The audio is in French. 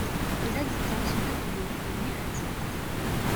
Ses habitants sont appelés les Mérasiens.